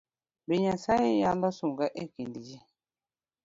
Be Nyasaye nyalo sunga ekind ji?